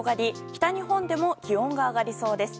北日本でも気温が上がりそうです。